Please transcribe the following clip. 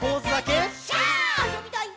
「あそびたいっ！！」